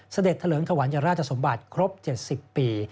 เสด็งถวัญราชสมบัติครบ๗๐ปี